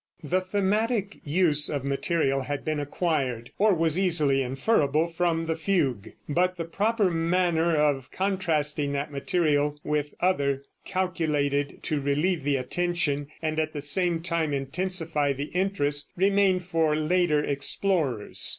The thematic use of material had been acquired, or was easily inferable from the fugue, but the proper manner of contrasting that material with other, calculated to relieve the attention and at the same time intensify the interest, remained for later explorers.